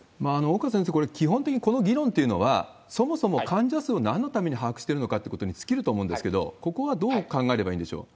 岡先生、これ、基本的にこの議論っていうのは、そもそも患者数をなんのために把握してるのかっていうことに尽きると思うんですけど、ここはどう考えればいいんでしょう。